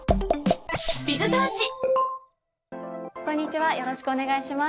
こんにちはよろしくお願いします。